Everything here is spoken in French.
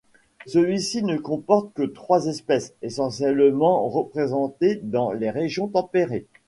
Celui-ci ne comporte que trois espèces, essentiellement représentés dans les régions tempérées.